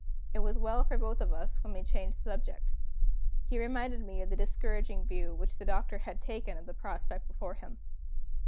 It was well for both of us when we changed the subject. He reminded me of the discouraging view which the Doctor had taken of the prospect before him.